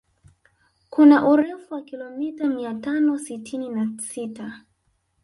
Kuna urefu wa kilomita mia tano sitini na sita